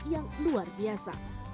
yang luar biasa